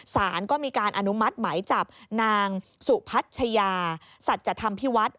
สารก็มีการอนุมัติหมายจับนางสุพัชยาสัจธรรมพิวัฒน์